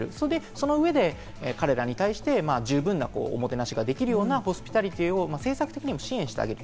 その上で彼らに対して十分なおもてなしができるようなホスピタリティを政策的にも支援してあげる。